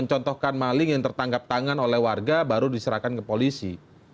mencontohkan maling yang tertangkap tangan oleh warga baru diserahkan ke polisi